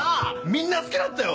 みんな好きだったよ